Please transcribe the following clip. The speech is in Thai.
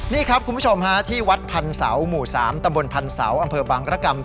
นี่ครับคุณผู้ชมฮะที่วัดพรรณเสาหมู่สามตำบลพรรณเสาอำเภอบังกระกำ